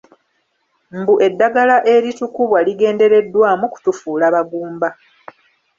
Mbu eddagala eritukubwa ligendereddwamu kutufuula bagumba.